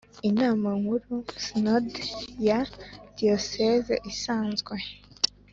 Inama nkuru Sinode ya Diyoseze isanzwe